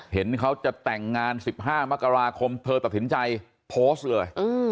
เห็นเขาจะแต่งงาน๑๕มกราคมเธอตัดสินใจโพสต์เลย